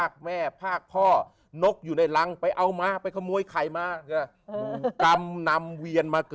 แต่เป็นเพราะกรรมเก่า